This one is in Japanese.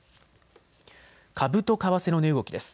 株と為替の値動きです。